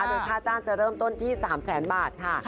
โดยค่าจ้างจะเริ่มต้นที่๓แสนบาทค่ะ